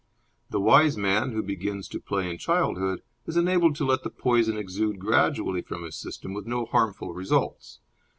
The wise man, who begins to play in childhood, is enabled to let the poison exude gradually from his system, with no harmful results.